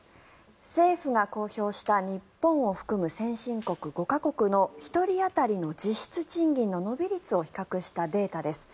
政府が公表した日本を含む先進国５か国の１人当たりの実質賃金の伸び率を比較したデータです。